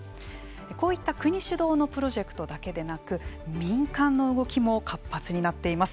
こういった国主導のプロジェクトだけでなく民間の動きも活発になっています。